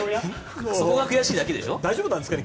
そこが悔しいだけでしょ？